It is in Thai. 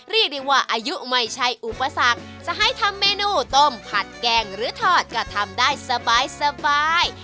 เรียกได้ว่าอายุไม่ใช่อุปสรรคจะให้ทำเมนูต้มผัดแกงหรือทอดก็ทำได้สบาย